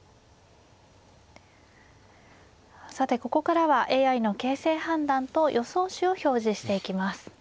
さてここからはＡＩの形勢判断と予想手を表示していきます。